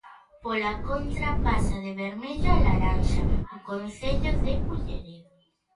Pola contra, pasa de vermello a laranxa o concello de Culleredo.